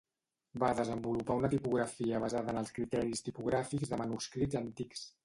Va desenvolupar una tipografia basada en els criteris tipogràfics de manuscrits antics.